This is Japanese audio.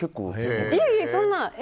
いえいえ、そんな。